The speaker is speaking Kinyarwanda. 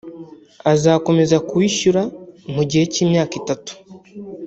akazakomeza kuwishyura mu gihe cy’imyaka itatu